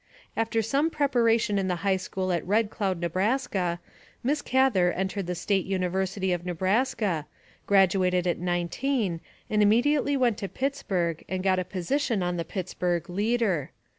"After some preparation in the high school at Red Cloud, Nebraska, Miss Gather entered the State Uni versity of Nebraska, graduated at 19, and immedi ately went to Pittsburgh and got a position on the Pitts WILLA SIBERT GATHER 257 burgh Leader.